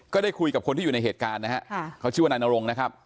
ก็ได้คุยกับคนที่อยู่ในเหตุการณ์นะฮะเขาชื่อว่านายนรงนะครับ